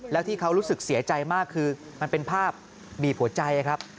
แล้วที่เขารู้สึกเสียใจมากคือมันเป็นภาพบีบหัวใจครับ